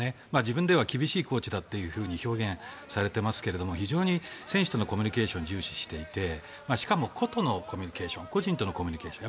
自分では厳しいコーチだって表現されていますけれど非常に選手とのコミュニケーションを重視されていてしかも、個とのコミュニケーション個人とのコミュニケーション。